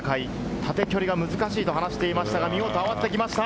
縦距離が難しいと話していましたが、見事あげてきました。